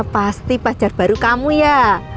pasti pelajar baru kamu ya